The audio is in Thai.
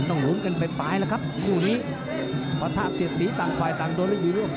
โอ้ซ้ายมาอยู่แล้ว